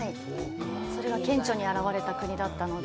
それが顕著にあらわれた国だったので。